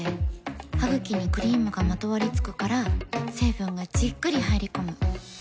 ハグキにクリームがまとわりつくから成分がじっくり入り込む。